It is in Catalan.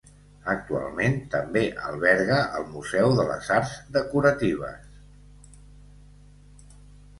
Actualment també alberga el Museu de les Arts Decoratives.